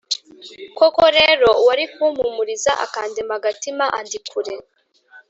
koko rero uwari kumpumuriza akandema agatima, andi kure.